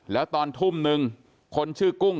แล้วตอนทุ่มนึงคนชื่อกุ้ง